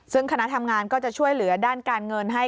ซึ่งคณะทำงานก็จะช่วยเหลือด้านการเงินให้